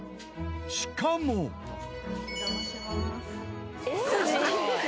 ［しかも］お邪魔します。